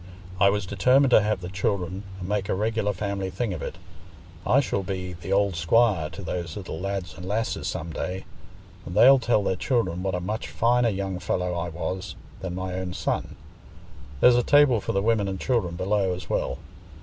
I was determined to have the children, and make a regular family thing of it. I shall be 'the old squire' to those little lads and lasses some day, and they'll tell their children what a much finer young fellow I was than my own son. There's a table for the women and children below as well.